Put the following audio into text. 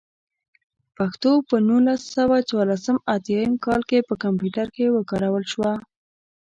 پښتو په نولس سوه څلور اتيايم کال کې په کمپيوټر کې وکارول شوه.